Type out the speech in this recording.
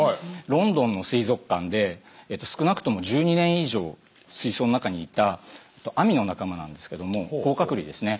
ロンドンの水族館で少なくとも１２年以上水槽の中にいたアミの仲間なんですけども甲殻類ですね。